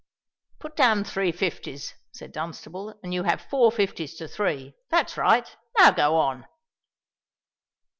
"Put down three fifties," said Dunstable; "and you have four fifties to three. That's right. Now go on."